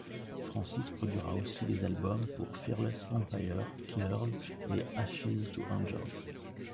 Francis produira aussi des albums pour Fearless Vampire Killers et Ashestoangels.